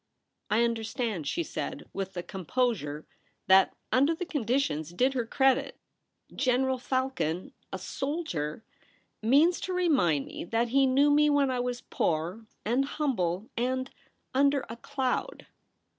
' I understand,' she said, with a composure that, under the conditions, did her credit. * General Falcon — a soldier — means to remind me that he knew me when I was poor and humble, and under a cloud.'